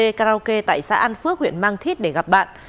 nam điều khiển xe máy đến quán cà phê tại xã an phước huyện mang thít để gặp bạn